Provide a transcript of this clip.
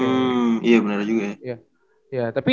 hmm iya bener juga ya